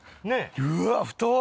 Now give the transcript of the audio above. うわー太っ！